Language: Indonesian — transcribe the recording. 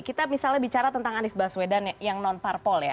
kita misalnya bicara tentang anies baswedan yang non parpol ya